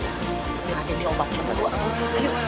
tapi raden diobatkan baru aku